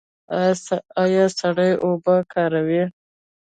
ایا سړې اوبه کاروئ؟